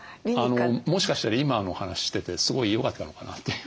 もしかしたら今のお話しててすごいよかったのかなという。